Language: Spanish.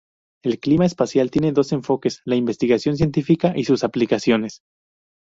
El Clima Espacial tiene dos enfoques: la investigación científica y sus aplicaciones.